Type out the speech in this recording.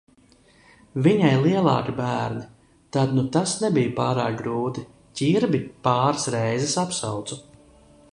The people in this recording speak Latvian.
Viņai lielāki bērni, tad nu tas nebija pārāk grūti, Ķirbi pāris reizes apsaucu.